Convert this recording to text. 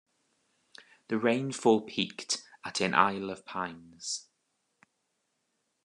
The rainfall peaked at in Isle of Pines.